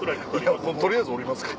取りあえず降りますか？